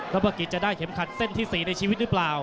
ประกิจจะได้เข็มขัดเส้นที่๔ในชีวิตหรือเปล่า